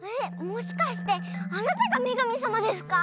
もしかしてあなたがめがみさまですか？